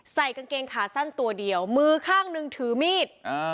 ใส่กางเกงขาสั้นตัวเดียวมือข้างหนึ่งถือมีด